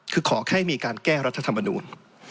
คือขอให้มีการแก้รัฐธรรมนูล